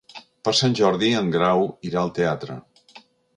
Per Sant Jordi en Grau irà al teatre.